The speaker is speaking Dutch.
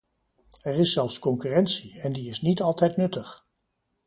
Er is zelfs concurrentie, en die is niet altijd nuttig.